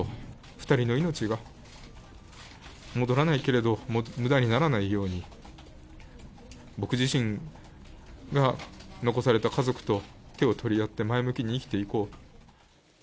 ２人の命は戻らないけれど、むだにならないように、僕自身が残された家族と手を取り合って、前向きに生きていこうと。